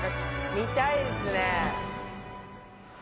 見たいですね。